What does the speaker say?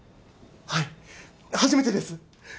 はい初めてです！